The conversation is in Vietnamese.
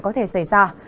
có thể xảy ra